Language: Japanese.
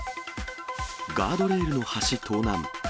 ガードレールの端盗難。